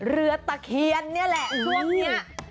เรือตะเคียนนี่แหละช่วงเนี่ย